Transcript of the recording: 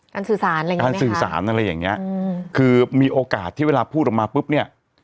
การสื่อสารอะไรอย่างนี้คือมีโอกาสที่เวลาพูดออกมาปุ๊บเนี่ย